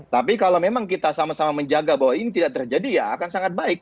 tapi kalau memang kita sama sama menjaga bahwa ini tidak terjadi ya akan sangat baik